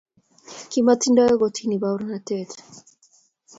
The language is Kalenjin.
kimatindo kortini baorenattet